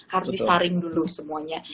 harus disaring dulu semuanya